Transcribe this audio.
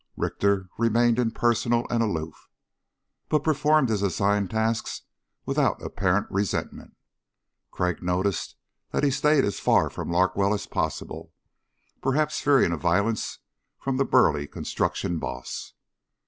Richter remained impersonal and aloof, but performed his assigned tasks without apparent resentment. Crag noticed that he stayed as far from Larkwell as possible, perhaps fearing violence from the burly construction boss.